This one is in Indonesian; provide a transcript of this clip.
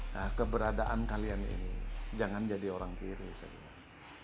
nah keberadaan kalian ini jangan jadi orang kiri saya bilang